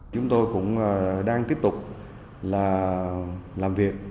chúng tôi cũng đang tiếp tục làm việc